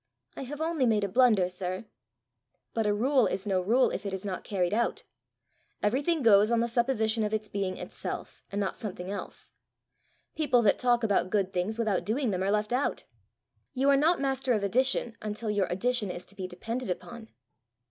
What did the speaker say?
"I have only made a blunder, sir." "But a rule is no rule if it is not carried out. Everything goes on the supposition of its being itself, and not something else. People that talk about good things without doing them are left out. You are not master of addition until your addition is to be depended upon."